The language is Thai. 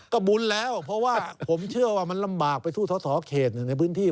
ก็บุญแล้วเพราะว่าผมเชื่อว่ามันลำบากไปสู้สอสอเขตในพื้นที่